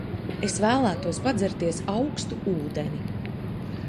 Es vēlētos padzerties aukstu ūdeni.